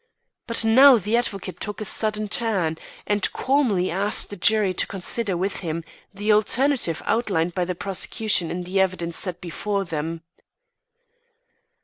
But now the advocate took a sudden turn, and calmly asked the jury to consider with him the alternative outlined by the prosecution in the evidence set before them.